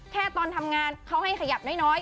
ตอนทำงานเขาให้ขยับน้อย